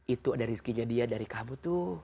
itu ada rezekinya dia dari kamu tuh